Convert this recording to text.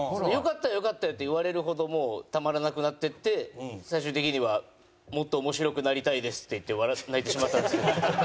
「よかったよよかったよ」って言われるほどもうたまらなくなっていって最終的には「もっと面白くなりたいです」って言って泣いてしまったんですけど。